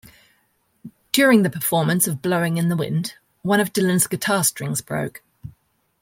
During the performance of "Blowin' in the Wind", one of Dylan's guitar strings broke.